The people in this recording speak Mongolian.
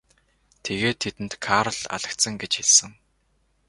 Тэгээд тэдэнд Карл алагдсан гэж хэлсэн.